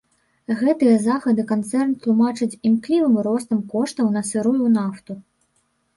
Гэтыя захады канцэрн тлумачыць імклівым ростам коштаў на сырую нафту.